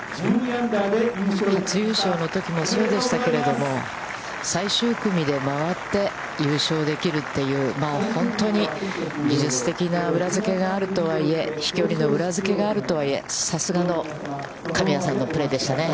初優勝のときもそうでしたけれど、最終組で回って、優勝できるっていう、本当に技術的な裏づけがあるとはいえ、飛距離の裏付があるとはいえ、さすがの神谷さんのプレーでしたね。